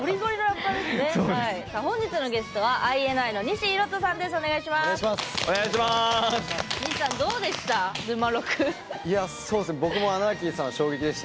本日のゲストはＩＮＩの西洸人さんです。